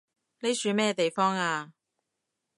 呢樹咩地方啊？